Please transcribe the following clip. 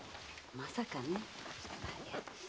まさかね。